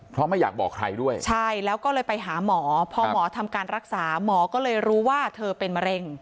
เพราะไม่อยากบอกใครด้วยใช่แล้วก็เลยไปหาหมอพอหมอทำการรักษาหมอก็เลยรู้ว่าเธอเป็นมะเร็ง